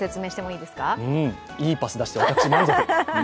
いいパス出して、満足。